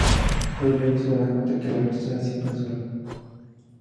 Rodrigo se dará cuenta que Laura estará siempre a su lado.